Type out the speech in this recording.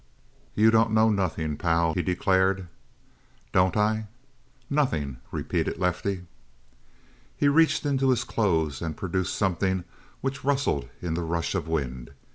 "You don't know nothing, pal," he declared. "Don't I?" "Nothing," repeated Lefty. He reached into his clothes and produced something which rustled in the rush of wind.